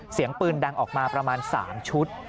เสียงปืนดังออกมาประมาณ๓ชุด